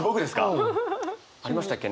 うん。ありましたっけね？